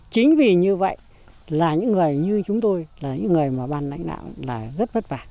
chính vì như vậy là những người như chúng tôi là những người mà ban lãnh đạo là rất vất vả